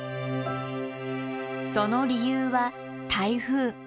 その理由は台風。